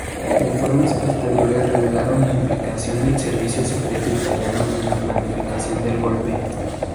Informes posteriores revelaron la implicación del servicio secreto italiano en la planificación del golpe.